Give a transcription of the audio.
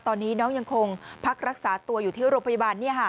ตอนนี้น้องยังคงพักรักษาตัวอยู่ที่โรงพยาบาล